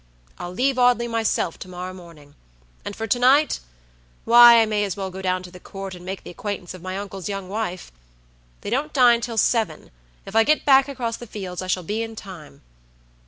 I'll leave Audley myself to morrow morning; and for to nightwhy, I may as well go down to the Court and make the acquaintance of my uncle's young wife. They don't dine till seven; if I get back across the fields I shall be in time.